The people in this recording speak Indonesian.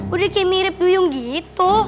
udah kayak mirip duyung gitu